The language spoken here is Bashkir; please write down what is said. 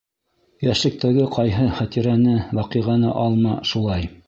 Йәшлектәге ҡайһы хәтирәне, ваҡиғаны алма, шулай.